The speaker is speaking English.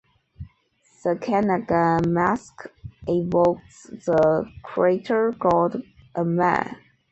The Kanaga mask evokes the Creator God "Amma".